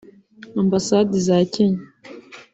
Ambasade za Kenya